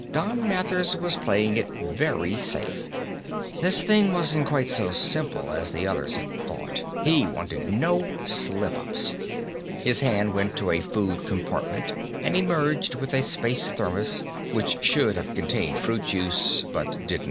Don Mathers was playing it very safe. This thing wasn't quite so simple as the others had thought. He wanted no slip ups. His hand went to a food compartment and emerged with a space thermo which should have contained fruit juice, but didn't.